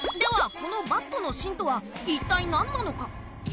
このバットの芯とは一体何なのか。